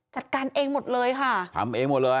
จัดการเองหมดเลยค่ะทำเองหมดเลย